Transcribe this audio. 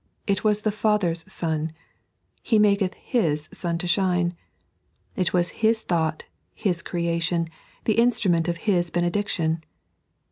It was the Father's sun —" He tnaketh Bit sun to shine." It was Sia thought, Sis creation, the inetmment of Bis benedic tion.